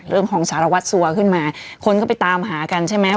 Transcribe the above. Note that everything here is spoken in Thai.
เรื่องของสารวัสซัวร์ขึ้นมาคนก็ไปตามหากันใช่ไหม